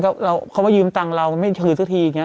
เขามายืมตังค์เราไม่ถือสักทีอย่างนี้